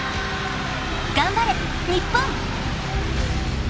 ［頑張れ日本！］